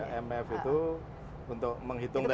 ya mef itu untuk menghitung dari